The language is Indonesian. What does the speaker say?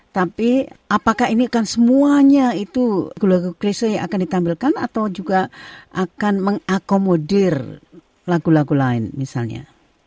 tapi apakah ini kan semuanya itu krisis yang akan ditampilkan atau juga akan mengakomodir lagu lagu lain misalnya